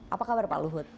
apa kabar pak luhut